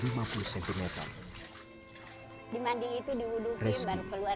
di mandi itu diuduki baru keluar di sini